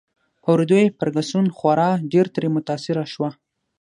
په اوریدو یې فرګوسن خورا ډېر ترې متاثره شوه.